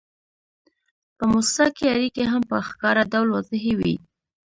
په موسسه کې اړیکې هم په ښکاره ډول واضحې وي.